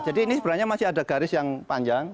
jadi ini sebenarnya masih ada garis yang panjang